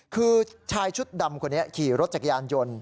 คือชายชุดดำคนนี้ขี่รถจักรยานยนต์